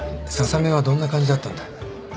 笹目はどんな感じだったんだ？